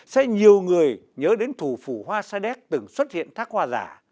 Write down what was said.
sẽ nhiều người nhớ đến thủ phủ hoa sa đéc từng xuất hiện thác hoa giả